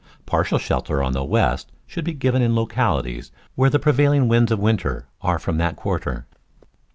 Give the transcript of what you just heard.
Partial shelter on the west should be given in localities where the prevailing winds of winter are from that quarter.